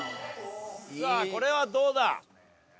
さあこれはどうだ？